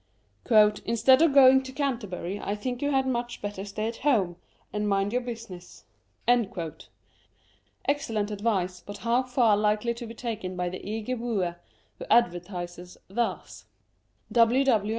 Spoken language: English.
" Instead of going to Canterbury, I think you had much better stay at home and mind your busi ness." 21 Curiosities of Olden Times Excellent advice ; but how far likely to be taken by the eager wooer, who advertises thus?